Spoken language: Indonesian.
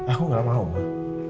aku enggak mau mak